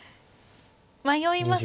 迷いますね。